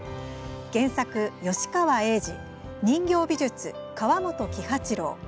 原作、吉川英治人形美術、川本喜八郎。